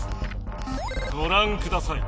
ごらんください。